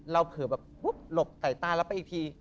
เราเผลอหลบใส่ตาแล้วไปอีกที